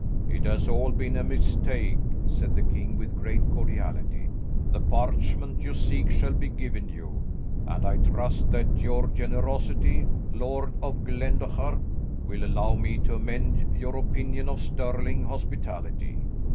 "It has all been a mistake," said the king with great cordiality. "The parchment you seek shall be given you, and I trust that your generosity, Lord of Glendochart, will allow me to amend your opinion of Stirling hospitality.